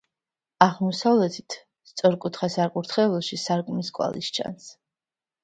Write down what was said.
აღმოსავლეთით სწორკუთხა საკურთხეველში სარკმლის კვალი ჩანს.